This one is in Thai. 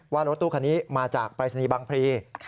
ว่ารถตู้คันนี้มาจากปรายศนีย์บางพลี